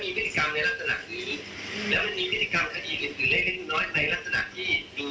มันเป็นการตายตองไว้ก่อนนั่นก็คือคดีเก่าในปีศูนย์